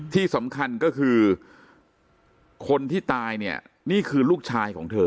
ที่สำคัญก็คือคนที่ตายเนี่ยนี่คือลูกชายของเธอ